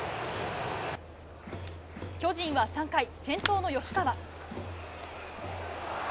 巨人は３回、先頭の吉川。